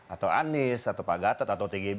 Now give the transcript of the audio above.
atau anis atau pagatat atau tgb